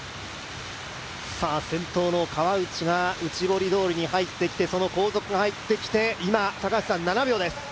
先頭の川内が内堀通りに入ってきて、その後続が入ってきて、今７秒です。